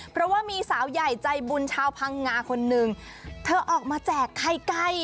เพราะว่ามีสาวใหญ่ใจบุญชาวพังงาคนนึงเธอออกมาแจกไข่ไก่